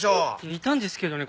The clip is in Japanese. いたんですけどね